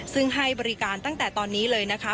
ซึ่งให้บริการตั้งแต่ตอนนี้เลยนะคะ